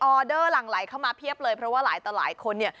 เดอร์หลั่งไหลเข้ามาเพียบเลยเพราะว่าหลายต่อหลายคนเนี่ย